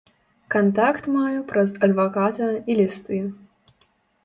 Кантакт маю праз адваката і лісты.